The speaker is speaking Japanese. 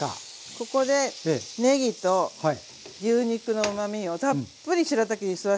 ここでねぎと牛肉のうまみをたっぷりしらたきに吸わしてあげて下さい。